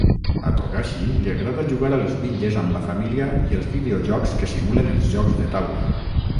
A Togashi li agrada jugar a les bitlles amb la família i els videojocs que simulen els jocs de taula.